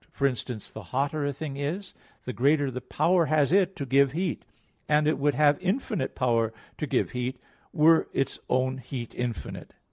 For instance, the hotter a thing is, the greater the power has it to give heat; and it would have infinite power to give heat, were its own heat infinite.